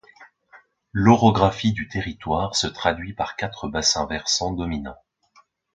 L'orographie du territoire se traduit par quatre bassins versants dominants.